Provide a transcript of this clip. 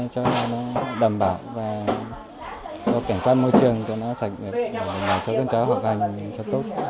cho nó đảm bảo và cảnh quan môi trường cho nó sạch cho nó học hành cho tốt